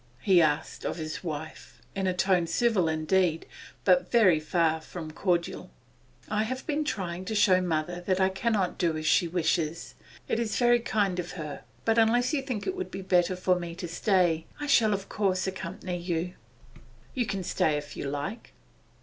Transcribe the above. he asked of his wife, in a tone civil indeed, but very far from cordial. 'I have been trying to show mother that I cannot do as she wishes. It is very kind of her, but, unless you think it would be better for me to stay, I shall of course accompany you.' 'You can stay if you like.